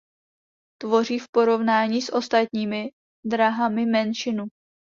Tvoří v porovnání s ostatními drahami menšinu.